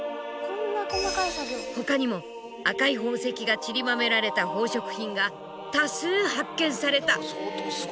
ほかにも赤い宝石がちりばめられた宝飾品が多数発見された。